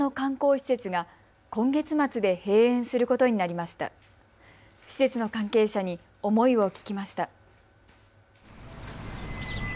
施設の関係者に思いを聞きました。